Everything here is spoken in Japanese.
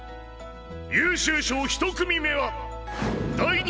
優秀賞１組目は第二